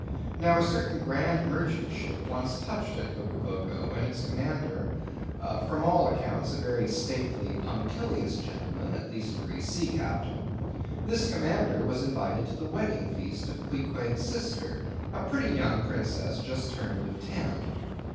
Now a certain grand merchant ship once touched at Rokovoko, and its commander—from all accounts, a very stately punctilious gentleman, at least for a sea captain—this commander was invited to the wedding feast of Queequeg's sister, a pretty young princess just turned of ten.